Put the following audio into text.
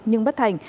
nhưng bất thành